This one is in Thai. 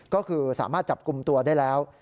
ก็คือสามารถจับกลุ่มตัวได้แล้ว